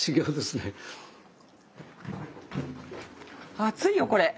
熱いよこれ。